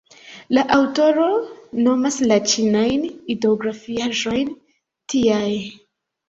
La aŭtoro nomas la ĉinajn ideografiaĵojn tiaj.